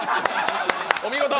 お見事！